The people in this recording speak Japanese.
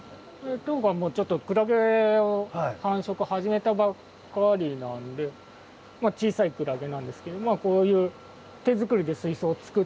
当館もちょっとクラゲを繁殖始めたばっかりなんでまあ小さいクラゲなんですけどこういう手作りで水槽作ったり。